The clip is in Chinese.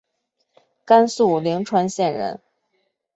甘肃灵川县人。